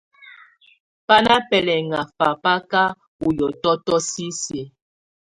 Bá ná bɛlɛŋá fábáka ú hiɔtɔtɔ sisiǝ.